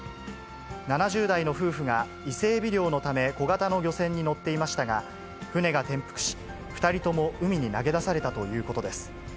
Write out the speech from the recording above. ７０代の夫婦が伊勢エビ漁のため、小型の漁船に乗っていましたが、船が転覆し、２人とも海に投げ出されたということです。